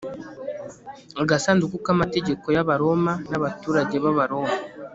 agasanduku k amategeko y abaroma n abaturage b abaroma